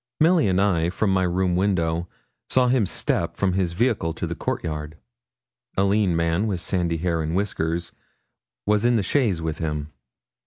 Milly and I, from my room window, saw him step from his vehicle to the court yard. A lean man, with sandy hair and whiskers, was in the chaise with him.